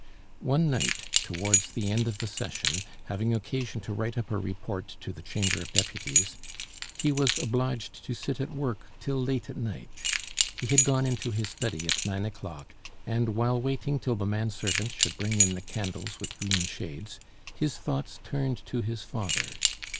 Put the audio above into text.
One night, towards the end of the session, having occasion to write up a report to the Chamber of Deputies, he was obliged to sit at work till late at night. He had gone into his study at nine o'clock, and, while waiting till the man servant should bring in the candles with green shades, his thoughts turned to his father.